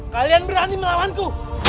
kalian berani melawanku